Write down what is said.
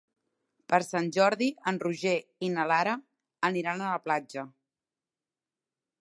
Per Sant Jordi en Roger i na Lara aniran a la platja.